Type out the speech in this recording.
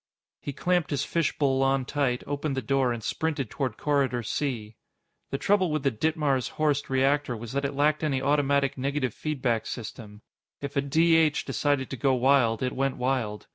He clamped his fishbowl on tight, opened the door, and sprinted toward Corridor C. The trouble with the Ditmars Horst reactor was that it lacked any automatic negative feedback system. If a D H decided to go wild, it went wild.